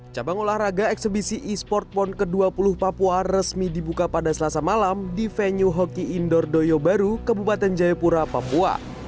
cabang olahraga eksebisi e sport pon ke dua puluh papua resmi dibuka pada selasa malam di venue hoki indoor doyobaru kebupaten jayapura papua